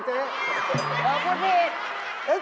เจ๊พูด